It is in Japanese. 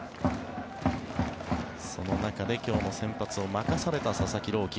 その中で今日の先発を任された佐々木朗希。